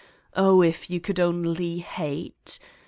Oh, if you could only hate